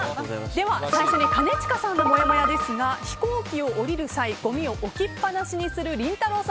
では、最初に兼近さんのもやもやですが飛行機を降りる際ごみを置きっぱなしにするりんたろー。